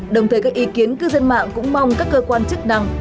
đồng thời các ý kiến cư dân mạng cũng mong các cơ quan chức năng